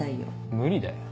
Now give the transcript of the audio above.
無理だよ。